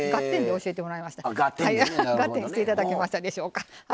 していただけましたでしょうか。